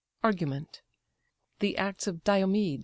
ARGUMENT. THE ACTS OF DIOMED.